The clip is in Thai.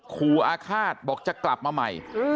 อาฆาตบอกจะกลับมาใหม่